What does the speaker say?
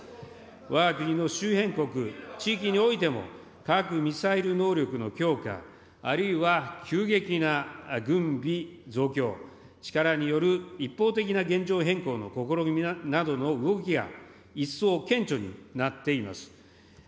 わが国の周辺国、地域においても、核・ミサイル能力の強化、あるいは急激な軍備増強、力による一方的な現状変更の試みなどの動きが、一層顕著になっています。